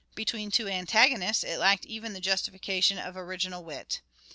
Between two antagonists it lacked even the justification of original wit.